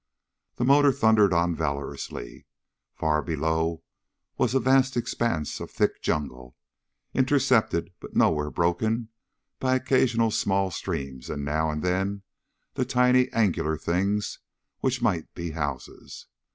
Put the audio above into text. The motor thundered on valorously. Far below was a vast expanse of thick jungle, intercepted but nowhere broken by occasional small streams and now and then the tiny, angular things which might be houses.